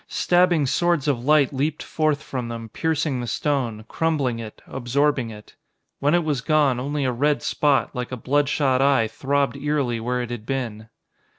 Stabbing swords of light leaped forth from them, piercing the stone, crumbling it, absorbing it. When it was gone, only a red spot, like a bloodshot eye, throbbed eerily where it had been.